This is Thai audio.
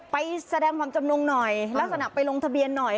ไปแสดงความจำนงหน่อยลักษณะไปลงทะเบียนหน่อย